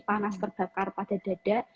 panas terbakar pada dada